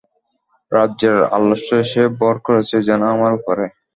রাজ্যের আলস্য এসে ভর করেছে যেন আমার উপরে।